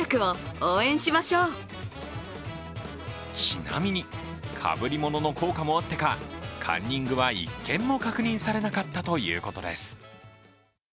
ちなみに、かぶりものの効果もあってかカンニングは１件も確認されなかったということです。